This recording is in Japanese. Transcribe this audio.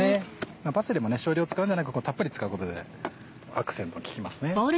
パセリも少量使うんじゃなくたっぷり使うことでアクセント利きますね。